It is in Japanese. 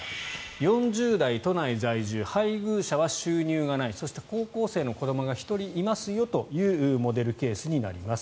４０代、都内在住配偶者は収入がないそして、高校生の子どもが１人いますよというモデルケースになります。